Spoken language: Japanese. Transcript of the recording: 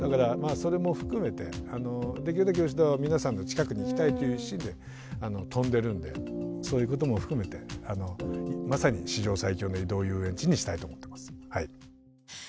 それも含めてできるだけ吉田は皆さんの近くに行きたいという一心で飛んでるんでそういうことも含めてまさに史上最強の移動遊園地にしたいと思ってます。